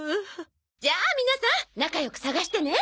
じゃあ皆さん仲良く探してね！